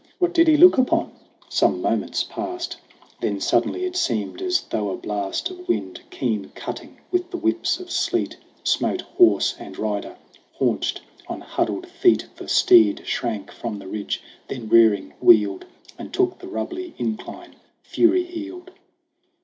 What did he look upon ? Some moments passed ; Then suddenly it seemed as though a blast Of wind, keen cutting with the whips of sleet, Smote horse and rider. Haunched on huddled feet, The steed shrank from the ridge, then, rearing, wheeled And took the rubbly incline fury heeled.